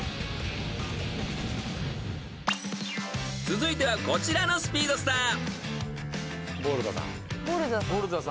［続いてはこちらのスピードスター］